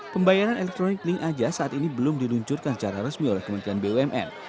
pembayaran elektronik link aja saat ini belum diluncurkan secara resmi oleh kementerian bumn